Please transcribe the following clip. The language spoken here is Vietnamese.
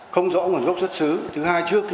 không rõ nguồn gốc xuất xứ thứ hai